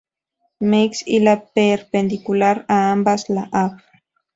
Meiggs y la perpendicular a ambas, la av.